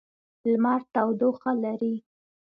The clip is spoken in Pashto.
لمر تودوخه لري.